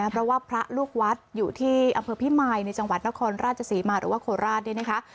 เพราะว่าพระลูกวัดอยู่ที่อำเภอพี่มายในจังหวัดนครราชสีมาหรือว่าโขราช